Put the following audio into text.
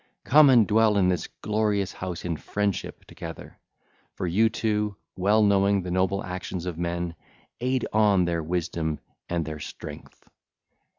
Come and dwell in this glorious house in friendship together; for you two, well knowing the noble actions of men, aid on their wisdom and their strength.